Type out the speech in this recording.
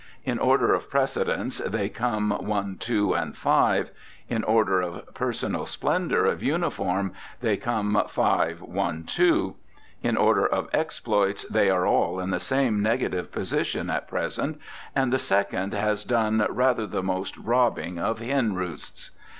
In order of precedence they come One, Two, and Five; in order of personal splendor of uniform they come Five, One, Two; in order of exploits they are all in the same negative position at present; and the Second has done rather the most robbing of hen roosts.